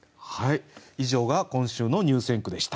以上が今週の入選句でした。